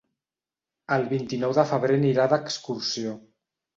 El vint-i-nou de febrer anirà d'excursió.